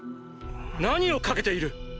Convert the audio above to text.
何を賭けている？